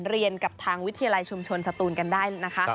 เรียนกับทางวิทยาลัยชุมชนสตูนกันได้นะคะ